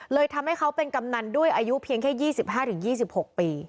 เลยทำให้เขาเป็นกำนันด้วยอายุเพียงแค่๒๕๒๖ปี